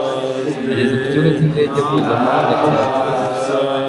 Ageze ku Kibuga cy’indege mpuzamahanga cya Tokiyo.